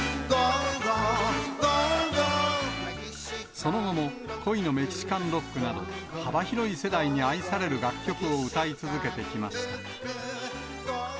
その後も、恋のメキシカン・ロックなど、幅広い世代に愛される楽曲を歌い続けてきました。